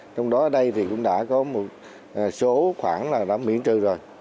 trong đó ở đây thì cũng đã có một số khoản là đã miễn trừ rồi